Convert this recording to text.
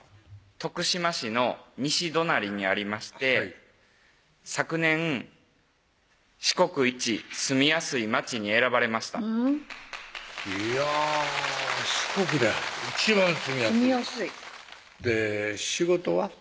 徳島市の西隣にありまして昨年四国一住みやすい町に選ばれましたいや四国で一番住みやすい住みやすいで仕事は？